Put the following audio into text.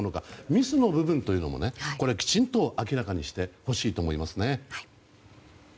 ミスの部分もきちんと明らかにしてほしいと思いますね。